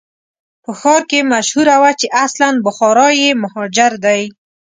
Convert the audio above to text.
په ښار کې مشهوره وه چې اصلاً بخارایي مهاجر دی.